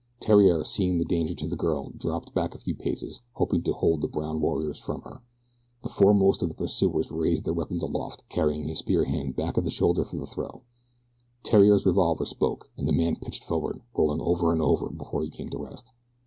Theriere, seeing the danger to the girl, dropped back a few paces hoping to hold the brown warriors from her. The foremost of the pursuers raised his weapon aloft, carrying his spear hand back of his shoulder for the throw. Theriere's revolver spoke, and the man pitched forward, rolling over and over before he came to rest.